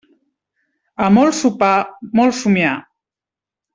A molt sopar, molt somniar.